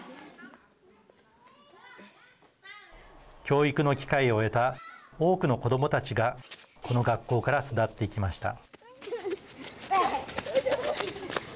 教育の機会を得た多くの子どもたちが、この学校から巣立っていきました。